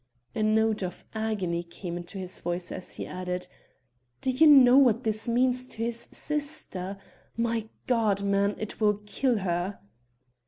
A note of agony came into his voice, as he added: "Do you know what this means to his sister? My God, man, it will kill her!"